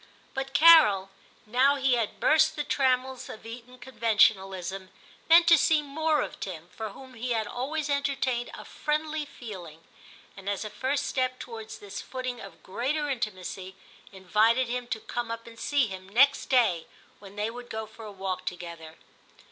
But Carol, now he had burst the trammels of ^ VIII TIM 163 Eton conventionalism, meant to see more of Tim, for whom he had always entertained a friendly feeling, and as a first step towards this footing of greater intimacy, invited him to come up and see him next day, when they would go for a walk together.